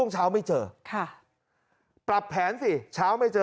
ช่วงเช้าไม่เจอ